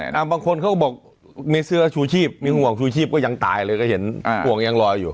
บางคนเขาก็บอกในเสื้อชูชีพมีห่วงชูชีพก็ยังตายเลยก็เห็นอ่าห่วงยังลอยอยู่